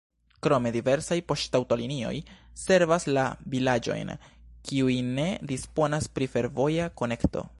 Krome diversaj poŝtaŭtolinioj servas la vilaĝojn, kiuj ne disponas pri fervoja konekto.